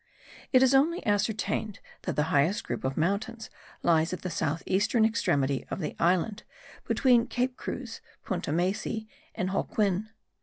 It is only ascertained that the highest group of mountains lies at the south eastern extremity of the island, between Cape Cruz, Punta Maysi, and Holguin.